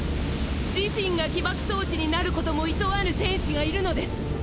自身が起爆装置になる事も厭わぬ戦士がいるのです！